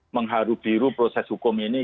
mengharu biru proses hukum ini